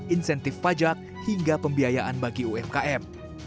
insentif pajak hingga pembiayaan bagi umkm